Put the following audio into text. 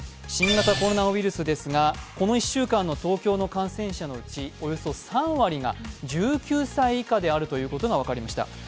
新型コロナウイルスですが、この１週間の東京の感染者のうちおよそ３割が１９歳以下であるということが分かりました。